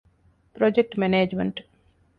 ޕްރޮޖެކްޓް މެނޭޖްމަންޓް